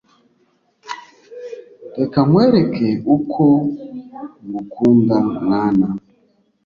reka nkwereke uko ngukunda mwana